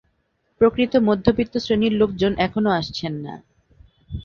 প্রকৃত মধ্যবিত্ত শ্রেণির লোকজন এখনো আসছেন না।